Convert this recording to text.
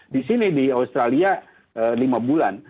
di sini di australia lima bulan